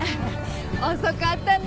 遅かったね。